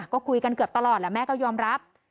ก็คุยกันเกือบตลอดแหละแม่ก็ยอมรับ